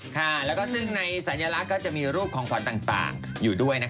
ค่ะแล้วก็ซึ่งในสัญลักษณ์ก็จะมีรูปของขวัญต่างอยู่ด้วยนะคะ